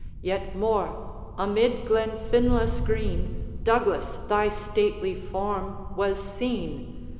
Yet more; amid Glenfinlas' green, Douglas, thy stately form was seen.